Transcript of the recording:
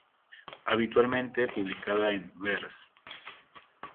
Habitualmente publicaba en: "Vers.